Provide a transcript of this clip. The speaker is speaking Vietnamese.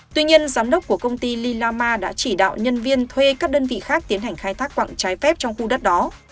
tuy nhiên giám đốc của công ty lillama đã chỉ đạo nhân viên thuê các đơn vị khác tiến hành khai thác quặng trái phép trong khu đất đó